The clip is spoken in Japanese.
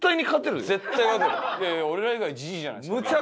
いやいや俺ら以外ジジイじゃないですか。